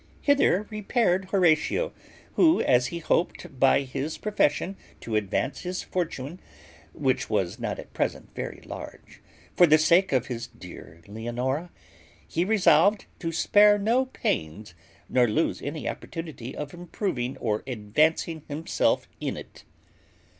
Hither repaired Horatio, who, as he hoped by his profession to advance his fortune, which was not at present very large, for the sake of his dear Leonora, he resolved to spare no pains, nor lose any opportunity of improving or advancing himself in it.